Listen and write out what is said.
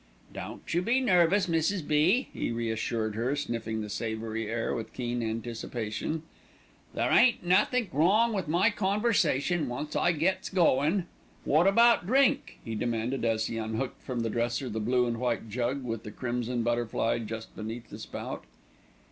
"Don't you be nervous, Mrs. B.," he reassured her, sniffing the savoury air with keen anticipation, "there ain't nothink wrong with my conversation once I gets goin'. Wot about drink?" he demanded as he unhooked from the dresser the blue and white jug with the crimson butterfly just beneath the spout.